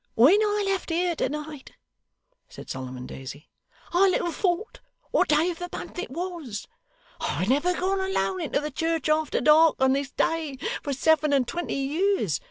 'When I left here to night,' said Solomon Daisy, 'I little thought what day of the month it was. I have never gone alone into the church after dark on this day, for seven and twenty years.